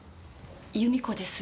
由美子です。